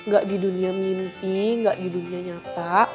gak di dunia mimpi gak di dunia nyata